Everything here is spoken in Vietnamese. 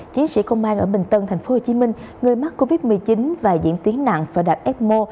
chiến sĩ công an ở bình tân tp hcm người mắc covid một mươi chín và diễn tiến nặng và đạt fmo